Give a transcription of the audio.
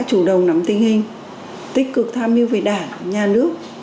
hôm qua em về nhà ăn dỗ